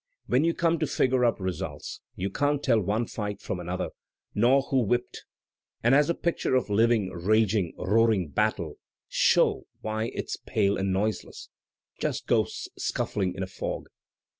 '^When you come to figure up results, you can't tell one fight from another, nor who whipped; and as a picture of living, raging, roaring battle, sho! why, it's pale and noiseless — just ghosts scuflling in a fog.